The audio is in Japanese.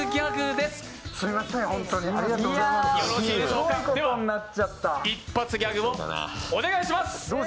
では、一発ギャグをお願いします。